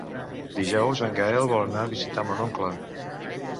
Dijous en Gaël vol anar a visitar mon oncle.